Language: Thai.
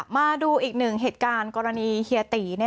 มาดูอีกหนึ่งเหตุการณ์กรณีเฮียตี